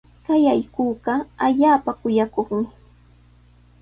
Kay allquuqa allaapa kuyakuqmi.